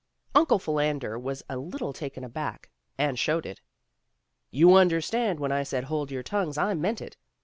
Uncle Philander was a little taken aback, and showed it. "You understand when I said hold your tongues, I meant it.